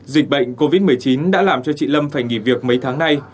dịch bệnh covid một mươi chín đã làm cho chị lâm phải nghỉ việc mấy tháng nay